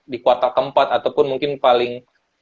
di kuartal keempat ataupun mungkin paling